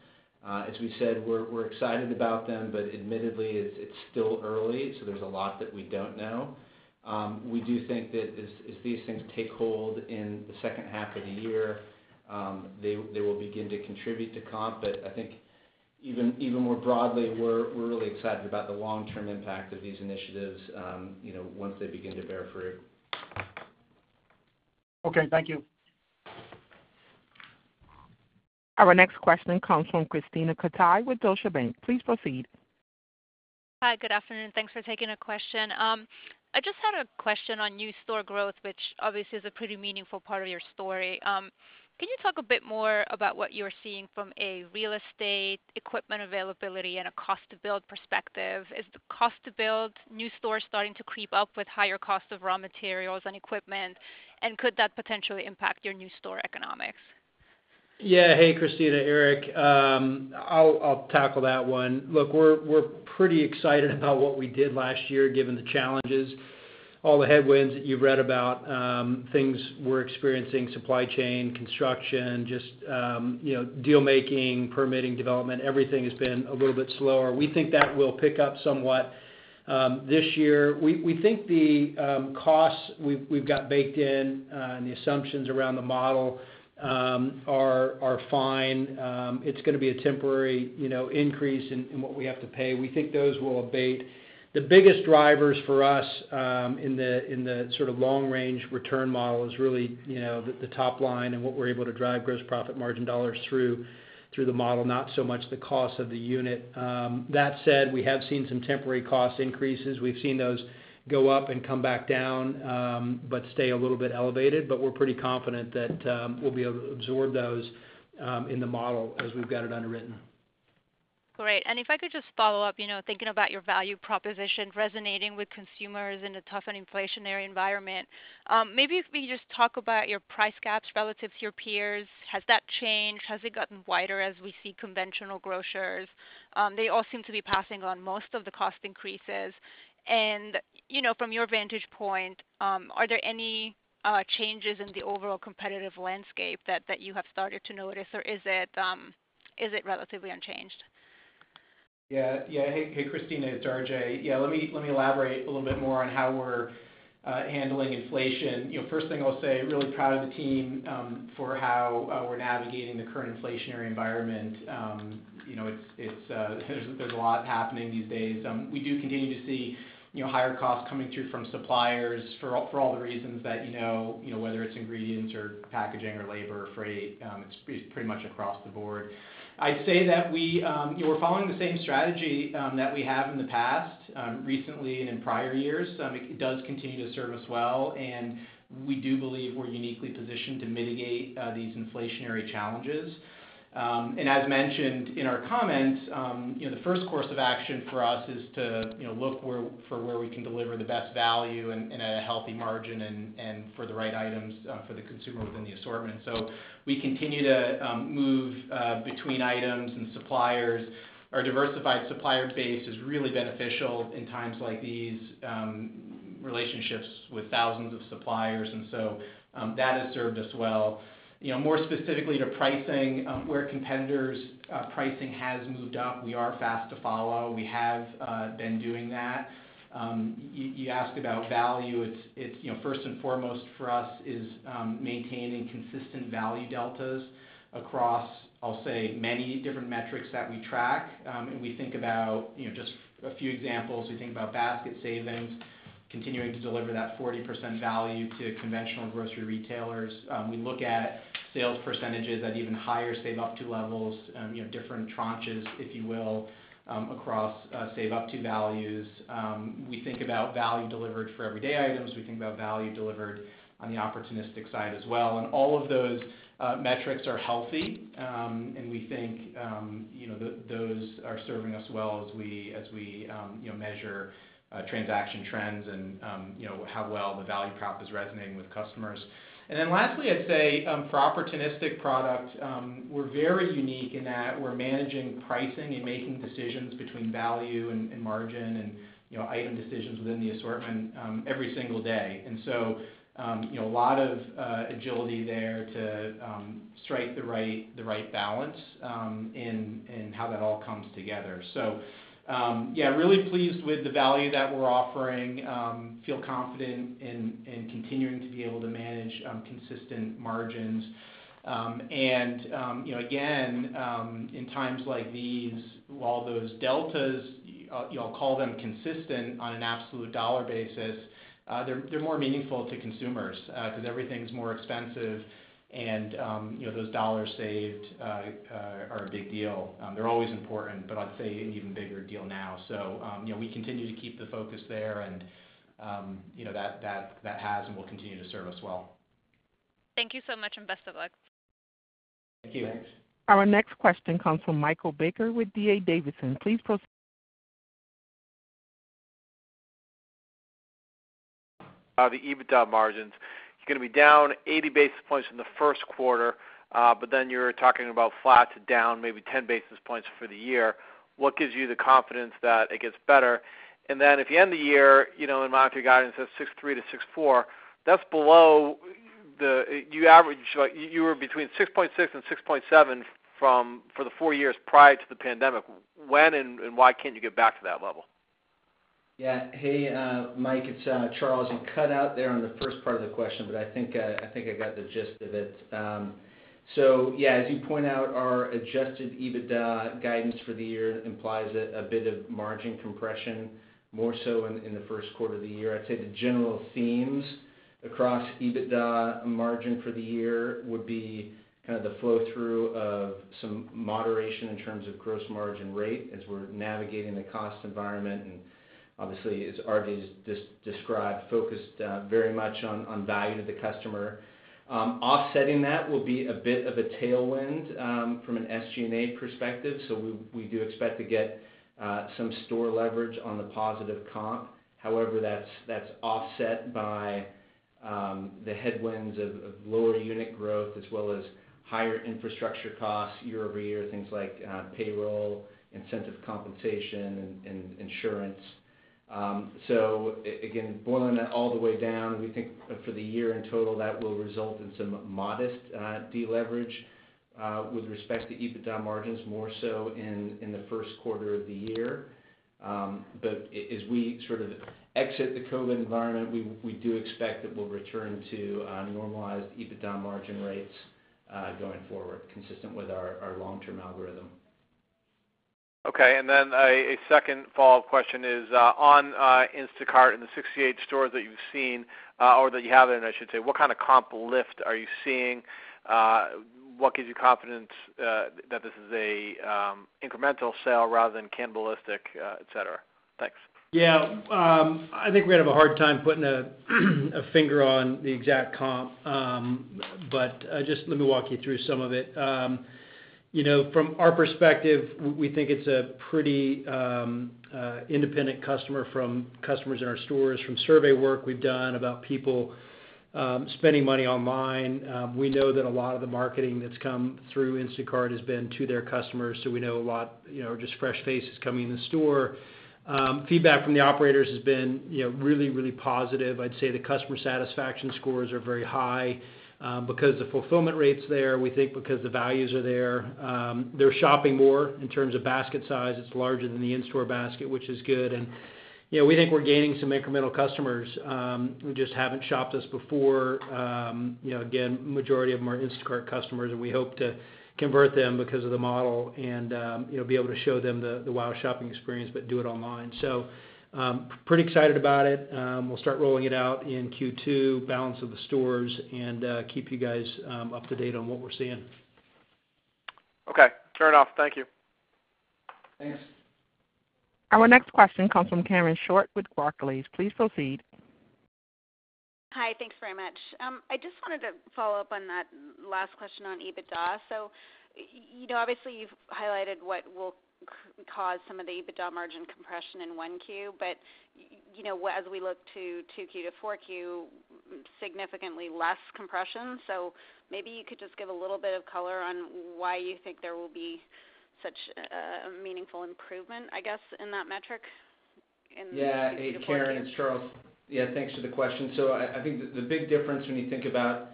As we said, we're excited about them, but admittedly, it's still early, so there's a lot that we don't know. We do think that as these things take hold in the second half of the year, they will begin to contribute to comp. I think even more broadly, we're really excited about the long-term impact of these initiatives, you know, once they begin to bear fruit. Okay. Thank you. Our next question comes from Krisztina Katai with Deutsche Bank. Please proceed. Hi. Good afternoon. Thanks for taking a question. I just had a question on new store growth, which obviously is a pretty meaningful part of your story. Can you talk a bit more about what you're seeing from a real estate equipment availability and a cost to build perspective? Is the cost to build new stores starting to creep up with higher cost of raw materials and equipment, and could that potentially impact your new store economics? Yeah. Hey, Krisztina. Eric, I'll tackle that one. Look, we're pretty excited about what we did last year, given the challenges, all the headwinds that you've read about, things we're experiencing, supply chain, construction, just, you know, deal making, permitting development, everything has been a little bit slower. We think that will pick up somewhat this year. We think the costs we've got baked in and the assumptions around the model are fine. It's gonna be a temporary, you know, increase in what we have to pay. We think those will abate. The biggest drivers for us in the sort of long range return model is really, you know, the top line and what we're able to drive gross profit margin dollars through the model, not so much the cost of the unit. That said, we have seen some temporary cost increases. We've seen those go up and come back down, but stay a little bit elevated, but we're pretty confident that we'll be able to absorb those in the model as we've got it underwritten. Great. If I could just follow up, you know, thinking about your value proposition resonating with consumers in a tough and inflationary environment. Maybe if we just talk about your price gaps relative to your peers, has that changed? Has it gotten wider as we see conventional grocers? They all seem to be passing on most of the cost increases. From your vantage point, are there any changes in the overall competitive landscape that you have started to notice, or is it relatively unchanged? Yeah. Hey, Christina, it's RJ. Yeah, let me elaborate a little bit more on how we're handling inflation. You know, first thing I'll say, really proud of the team for how we're navigating the current inflationary environment. You know, there's a lot happening these days. We do continue to see, you know, higher costs coming through from suppliers for all the reasons that you know whether it's ingredients or packaging or labor or freight, it's pretty much across the board. I'd say that we, you know, we're following the same strategy that we have in the past, recently and in prior years. It does continue to serve us well, and we do believe we're uniquely positioned to mitigate these inflationary challenges. As mentioned in our comments, you know, the first course of action for us is to, you know, look for where we can deliver the best value and at a healthy margin and for the right items for the consumer within the assortment. We continue to move between items and suppliers. Our diversified supplier base is really beneficial in times like these, relationships with thousands of suppliers, and so that has served us well. You know, more specifically to pricing, where competitors' pricing has moved up, we are fast to follow. We have been doing that. You asked about value. It's you know, first and foremost for us is maintaining consistent value deltas across, I'll say, many different metrics that we track. We think about, you know, just a few examples. We think about basket savings, continuing to deliver that 40% value to conventional grocery retailers. We look at sales percentages at even higher Save up to levels, you know, different tranches, if you will, across Save up to values. We think about value delivered for everyday items. We think about value delivered on the opportunistic side as well. All of those metrics are healthy, and we think, you know, those are serving us well as we, you know, measure transaction trends and, you know, how well the value prop is resonating with customers. Then lastly, I'd say, for opportunistic products, we're very unique in that we're managing pricing and making decisions between value and margin and, you know, item decisions within the assortment, every single day. You know, a lot of agility there to strike the right balance in how that all comes together. Yeah, really pleased with the value that we're offering, feel confident in continuing to be able to manage consistent margins. You know, again, in times like these, while those deltas, you know, I'll call them consistent on an absolute dollar basis, they're more meaningful to consumers, because everything's more expensive and, you know, those dollars saved are a big deal. They're always important, but I'd say an even bigger deal now. You know, we continue to keep the focus there and, you know, that has and will continue to serve us well. Thank you so much and best of luck. Thank you. Thanks. Our next question comes from Michael Baker with D.A. Davidson. Please proceed. The EBITDA margins, you're gonna be down 80 basis points in the first quarter, but then you're talking about flat to down maybe 10 basis points for the year. What gives you the confidence that it gets better? If you end the year, you know, in monetary guidance of 6.3%-6.4%, that's below the average you were between 6.6% and 6.7% for the four years prior to the pandemic. When and why can't you get back to that level? Yeah. Hey, Mike, it's Charles. You cut out there on the first part of the question, but I think I got the gist of it. Yeah, as you point out, our adjusted EBITDA guidance for the year implies a bit of margin compression, more so in the first quarter of the year. I'd say the general themes across EBITDA margin for the year would be kind of the flow through of some moderation in terms of gross margin rate as we're navigating the cost environment and obviously, as RJ just described, focused very much on value to the customer. Offsetting that will be a bit of a tailwind from an SG&A perspective. We do expect to get some store leverage on the positive comp. However, that's offset by the headwinds of lower unit growth as well as higher infrastructure costs year over year, things like payroll, incentive compensation, and insurance. Again, boiling that all the way down, we think for the year in total, that will result in some modest deleverage with respect to EBITDA margins, more so in the first quarter of the year. As we sort of exit the COVID environment, we do expect that we'll return to normalized EBITDA margin rates going forward, consistent with our long-term algorithm. Okay. A second follow-up question is on Instacart in the 68 stores that you've seen or that you have, and I should say, what kind of comp lift are you seeing? What gives you confidence that this is a incremental sale rather than cannibalistic, et cetera? Thanks. Yeah. I think we'd have a hard time putting a finger on the exact comp, but just let me walk you through some of it. You know, from our perspective, we think it's a pretty independent customer from customers in our stores from survey work we've done about people spending money online. We know that a lot of the marketing that's come through Instacart has been to their customers, so we know a lot, you know, just fresh faces coming in the store. Feedback from the operators has been, you know, really positive. I'd say the customer satisfaction scores are very high because the fulfillment rates there, we think because the values are there. They're shopping more in terms of basket size, it's larger than the in-store basket, which is good. You know, we think we're gaining some incremental customers, who just haven't shopped us before. You know, again, majority of them are Instacart customers, and we hope to convert them because of the model and, you know, be able to show them the WOW shopping experience, but do it online. So, pretty excited about it. We'll start rolling it out in Q2, balance of the stores and, keep you guys up to date on what we're seeing. Okay. Fair enough. Thank you. Thanks. Our next question comes from Karen Short with Barclays. Please proceed. Hi. Thanks very much. I just wanted to follow up on that last question on EBITDA. You know, obviously, you've highlighted what will cause some of the EBITDA margin compression in 1Q. You know, as we look to 2Q to 4Q, significantly less compression. Maybe you could just give a little bit of color on why you think there will be such a meaningful improvement, I guess, in that metric in the 2Q to 4Q. Hey, Karen, it's Charles. Thanks for the question. I think the big difference when you think about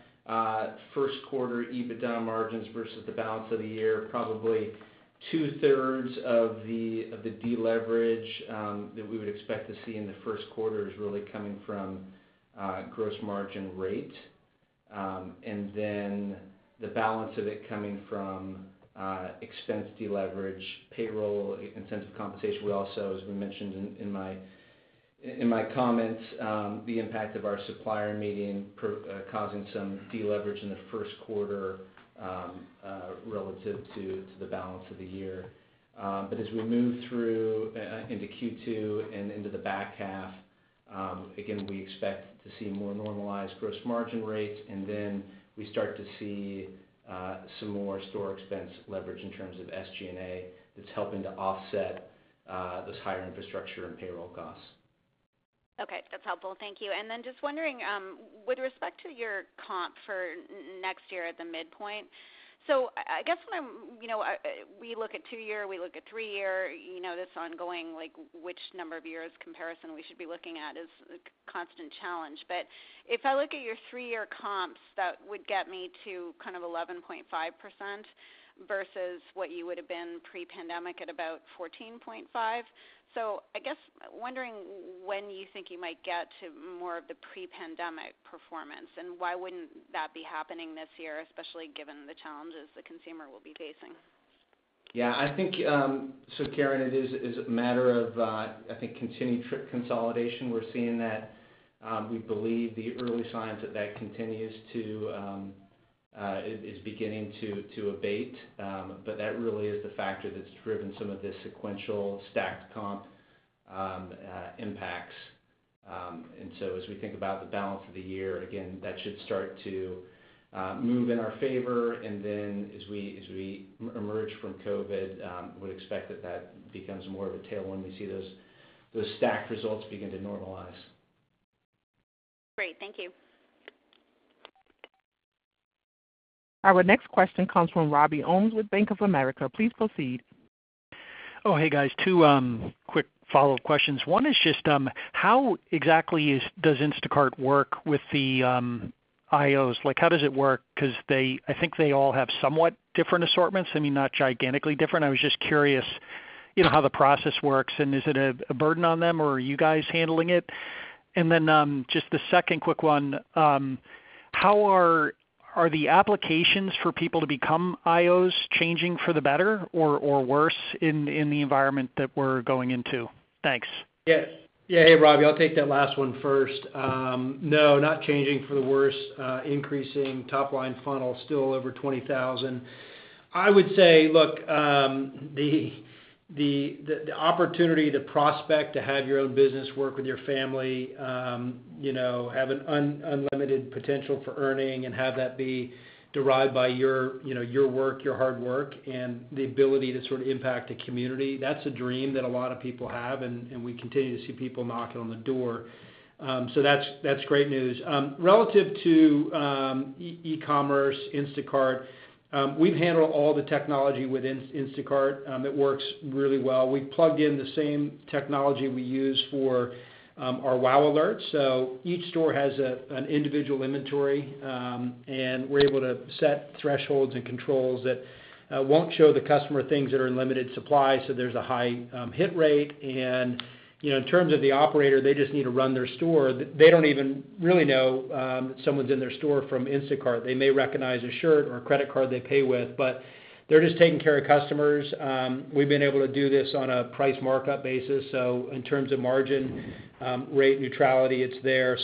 first quarter EBITDA margins versus the balance of the year, probably two-thirds of the deleverage that we would expect to see in the first quarter is really coming from gross margin rate. Then the balance of it coming from expense deleverage, payroll, incentive compensation. We also, as we mentioned in my comments, the impact of our supplier meeting program causing some deleverage in the first quarter relative to the balance of the year. As we move through into Q2 and into the back half, again, we expect to see more normalized gross margin rates, and then we start to see some more store expense leverage in terms of SG&A that's helping to offset those higher infrastructure and payroll costs. Okay. That's helpful. Thank you. Just wondering, with respect to your comp for next year at the midpoint. You know, we look at two-year, we look at three-year, you know, this ongoing, like, which number of years comparison we should be looking at is a constant challenge. If I look at your three-year comps, that would get me to kind of 11.5% versus what you would have been pre-pandemic at about 14.5%. I'm wondering when you think you might get to more of the pre-pandemic performance, and why wouldn't that be happening this year, especially given the challenges the consumer will be facing? Yeah, I think Karen, it is a matter of, I think, continued trip consolidation. We're seeing that, we believe the early signs of that, it is beginning to abate. But that really is the factor that's driven some of the sequential stacked comp impacts. As we think about the balance of the year, again, that should start to move in our favor. As we emerge from COVID, we'd expect that becomes more of a tailwind. We see those stacked results begin to normalize. Great. Thank you. Our next question comes from Robert Ohmes with Bank of America. Please proceed. Oh, hey, guys. Two quick follow-up questions. One is just how exactly does Instacart work with the IOs? Like, how does it work? 'Cause I think they all have somewhat different assortments. I mean, not gigantically different. I was just curious, you know, how the process works, and is it a burden on them, or are you guys handling it? Then, just the second quick one, how are the applications for people to become IOs changing for the better or worse in the environment that we're going into? Thanks. Yes. Yeah. Hey, Robbie. I'll take that last one first. No, not changing for the worse. Increasing top-line funnel, still over 20,000. I would say, look, the The opportunity to prospect, to have your own business work with your family, you know, have an unlimited potential for earning and have that be derived by your, you know, your work, your hard work, and the ability to sort of impact a community, that's a dream that a lot of people have, and we continue to see people knocking on the door. That's great news. Relative to e-commerce, Instacart, we've handled all the technology with Instacart, it works really well. We plugged in the same technology we use for our WOW! Alerts. Each store has an individual inventory, and we're able to set thresholds and controls that won't show the customer things that are in limited supply, so there's a high hit rate. You know, in terms of the operator, they just need to run their store. They don't even really know someone's in their store from Instacart. They may recognize a shirt or a credit card they pay with, but they're just taking care of customers. We've been able to do this on a price markup basis, so in terms of margin, rate neutrality, it's there.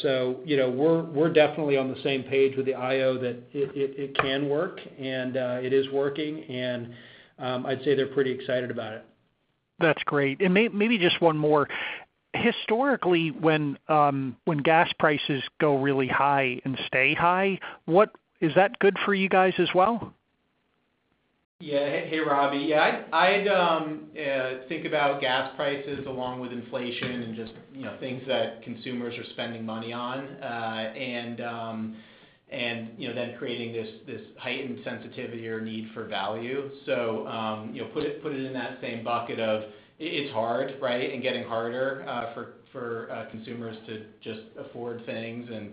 You know, we're definitely on the same page with the IO that it can work and it is working, and I'd say they're pretty excited about it. That's great. Maybe just one more. Historically, when gas prices go really high and stay high, what is that good for you guys as well? Yeah. Hey, Robbie. Yeah, I'd think about gas prices along with inflation and just, you know, things that consumers are spending money on, and, you know, then creating this heightened sensitivity or need for value. Put it in that same bucket of it. It's hard, right, and getting harder for consumers to just afford things and,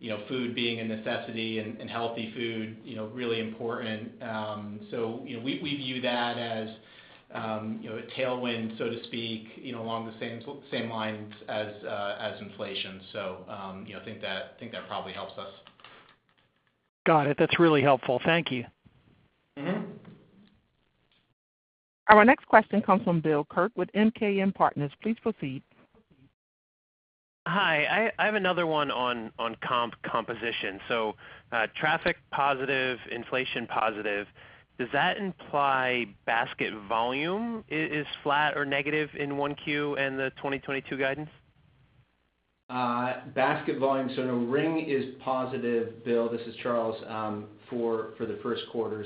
you know, food being a necessity and healthy food, you know, really important. We view that as a tailwind, so to speak, you know, along the same lines as inflation. I think that probably helps us. Got it. That's really helpful. Thank you. Mm-hmm. Our next question comes from Bill Kirk with MKM Partners. Please proceed. Hi. I have another one on comps composition. Traffic positive, inflation positive, does that imply basket volume is flat or negative in 1Q and the 2022 guidance? Basket volume, so ring is positive, Bill. This is Charles for the first quarter.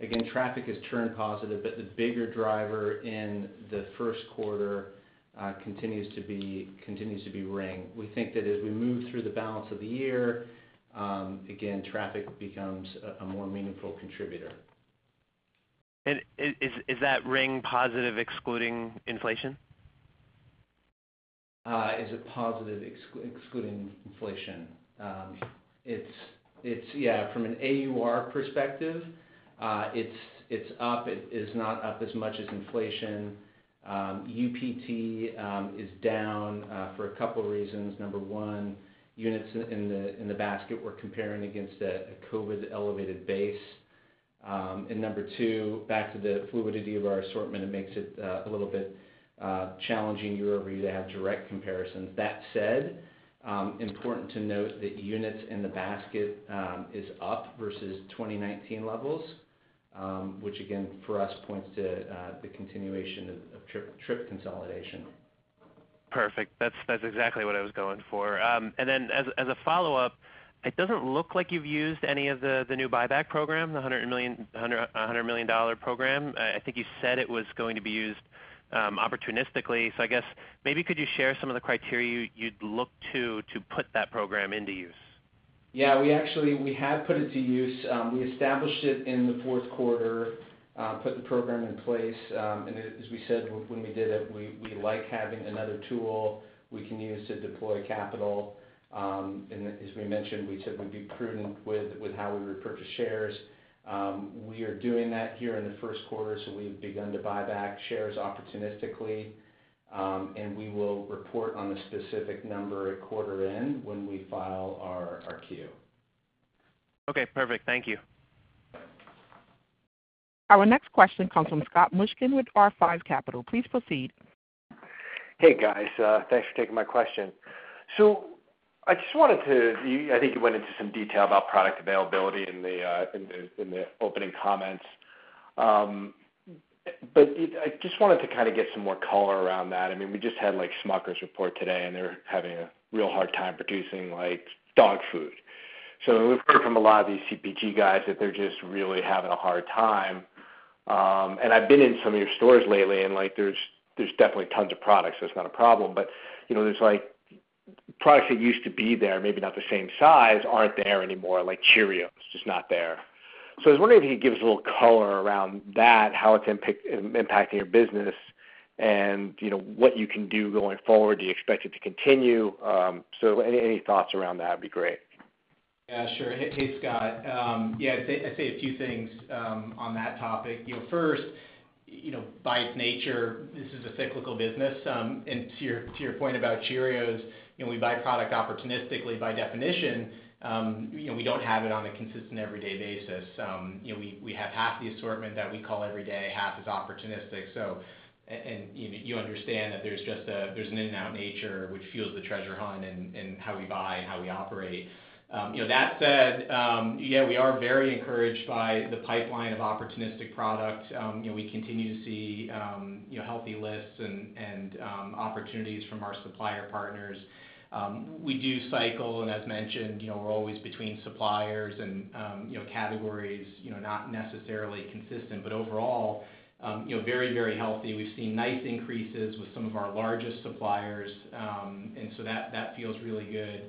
Again, traffic has turned positive, but the bigger driver in the first quarter continues to be ring. We think that as we move through the balance of the year, again, traffic becomes a more meaningful contributor. Is that ring positive excluding inflation? Is it positive excluding inflation? It's up from an AUR perspective. It is not up as much as inflation. UPT is down for a couple reasons. Number one, units in the basket we're comparing against a COVID elevated base. Number two, back to the fluidity of our assortment, it makes it a little bit challenging year over year to have direct comparisons. That said, important to note that units in the basket is up versus 2019 levels. Which again, for us points to the continuation of trip consolidation. Perfect. That's exactly what I was going for. As a follow-up, it doesn't look like you've used any of the new buyback program, the $100 million program. I think you said it was going to be used opportunistically. I guess maybe could you share some of the criteria you'd look to put that program into use? We have put it to use. We established it in the fourth quarter, put the program in place. As we said when we did it, we like having another tool we can use to deploy capital. As we mentioned, we said we'd be prudent with how we repurchase shares. We are doing that here in the first quarter, so we've begun to buy back shares opportunistically. We will report on the specific number at quarter end when we file our Q. Okay, perfect. Thank you. Our next question comes from Scott Mushkin with R5 Capital. Please proceed. Hey, guys. Thanks for taking my question. I just wanted to. I think you went into some detail about product availability in the opening comments. I just wanted to kind of get some more color around that. I mean, we just had, like, Smucker's report today, and they're having a real hard time producing, like, dog food. We've heard from a lot of these CPG guys that they're just really having a hard time. I've been in some of your stores lately, and, like, there's definitely tons of products. That's not a problem. You know, there's, like, products that used to be there, maybe not the same size, aren't there anymore, like Cheerios, just not there. I was wondering if you could give us a little color around that, how it's impacting your business and, you know, what you can do going forward. Do you expect it to continue? Any thoughts around that would be great. Yeah, sure. Hey, Scott. Yeah, I'd say a few things on that topic. You know, first You know, by its nature, this is a cyclical business. To your point about Cheerios, you know, we buy product opportunistically by definition, you know, we don't have it on a consistent everyday basis. You know, we have half the assortment that we call every day, half is opportunistic. You understand that there's an in and out nature which fuels the treasure hunt and how we buy and how we operate. That said, yeah, we are very encouraged by the pipeline of opportunistic product. You know, we continue to see healthy lists and opportunities from our supplier partners. We do cycle, and as mentioned, you know, we're always between suppliers and, you know, categories, you know, not necessarily consistent, but overall, you know, very, very healthy. We've seen nice increases with some of our largest suppliers. That feels really good.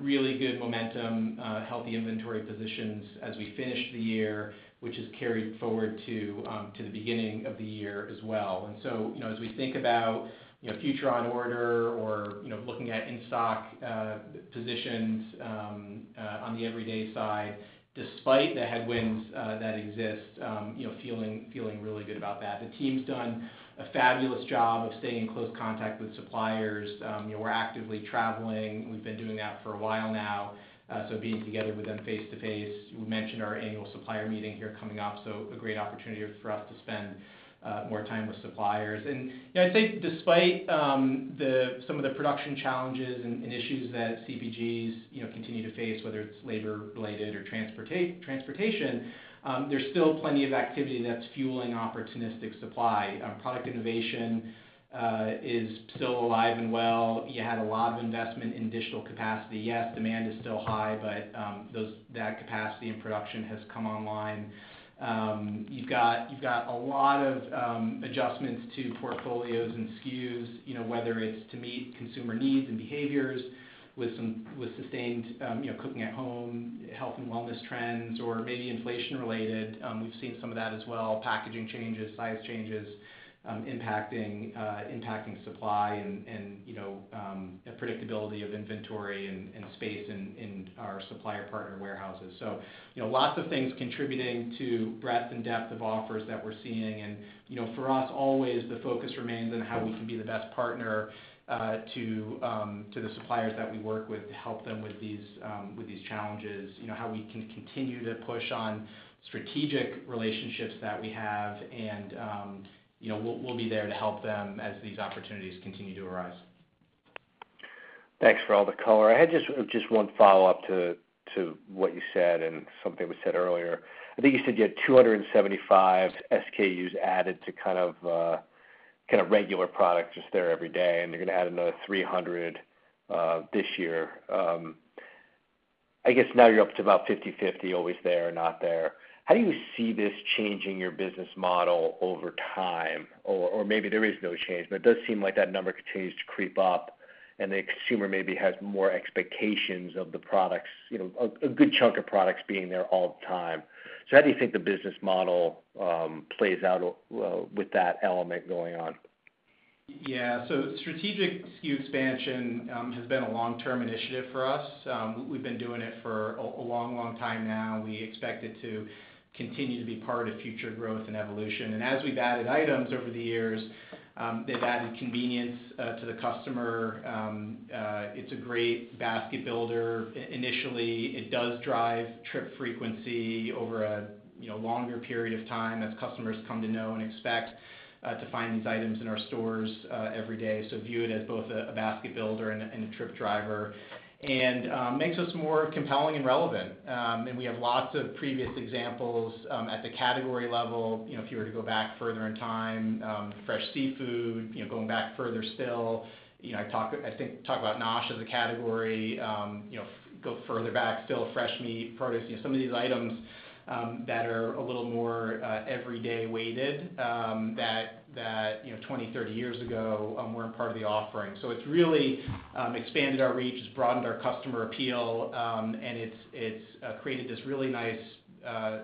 Really good momentum, healthy inventory positions as we finish the year, which has carried forward to the beginning of the year as well. You know, as we think about, you know, future on order or, you know, looking at in-stock positions on the everyday side, despite the headwinds that exist, you know, feeling really good about that. The team's done a fabulous job of staying in close contact with suppliers. You know, we're actively traveling. We've been doing that for a while now. Being together with them face-to-face. We mentioned our annual supplier meeting here coming up, so a great opportunity for us to spend more time with suppliers. You know, I think despite some of the production challenges and issues that CPGs, you know, continue to face, whether it's labor related or transportation, there's still plenty of activity that's fueling opportunistic supply. Product innovation is still alive and well. You had a lot of investment in digital capacity. Yes, demand is still high, but that capacity and production has come online. You've got a lot of adjustments to portfolios and SKUs, you know, whether it's to meet consumer needs and behaviors with sustained, you know, cooking at home, health and wellness trends, or maybe inflation related. We've seen some of that as well, packaging changes, size changes, impacting supply and predictability of inventory and space in our supplier partner warehouses. You know, lots of things contributing to breadth and depth of offers that we're seeing. You know, for us, always the focus remains on how we can be the best partner to the suppliers that we work with to help them with these challenges. You know, how we can continue to push on strategic relationships that we have. You know, we'll be there to help them as these opportunities continue to arise. Thanks for all the color. I had just one follow-up to what you said and something we said earlier. I think you said you had 275 SKUs added to kind of regular products just there every day, and you're gonna add another 300 this year. I guess now you're up to about 50/50, always there or not there. How do you see this changing your business model over time? Or maybe there is no change, but it does seem like that number continues to creep up and the consumer maybe has more expectations of the products, you know, a good chunk of products being there all the time. How do you think the business model plays out with that element going on? Yeah. So strategic SKU expansion has been a long-term initiative for us. We've been doing it for a long time now. We expect it to continue to be part of future growth and evolution. As we've added items over the years, they've added convenience to the customer. It's a great basket builder. Initially, it does drive trip frequency over a you know longer period of time as customers come to know and expect to find these items in our stores every day. View it as both a basket builder and a trip driver. Makes us more compelling and relevant. We have lots of previous examples at the category level. You know, if you were to go back further in time, fresh seafood. You know, going back further still, you know, I think talk about NOSH as a category. You know, go further back still, fresh meat, produce. You know, some of these items that are a little more everyday weighted that you know, 20, 30 years ago weren't part of the offering. It's really expanded our reach. It's broadened our customer appeal. It's created this really nice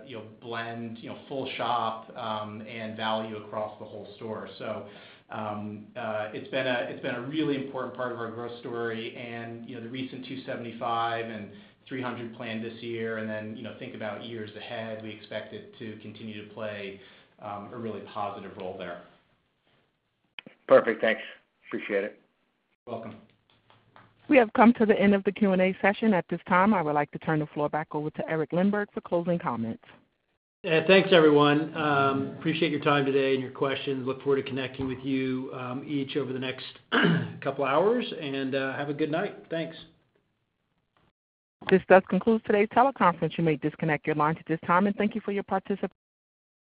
you know, blend, you know, full shop and value across the whole store. It's been a really important part of our growth story and you know, the recent 275 and 300 plan this year, and then you know, think about years ahead, we expect it to continue to play a really positive role there. Perfect. Thanks. Appreciate it. Welcome. We have come to the end of the Q&A session. At this time, I would like to turn the floor back over to Eric Lindberg for closing comments. Yeah. Thanks, everyone. Appreciate your time today and your questions. Look forward to connecting with you each over the next couple hours. Have a good night. Thanks. This does conclude today's teleconference. You may disconnect your lines at this time, and thank you for your participation.